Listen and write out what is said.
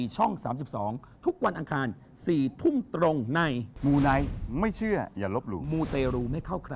สวัสดีค่ะ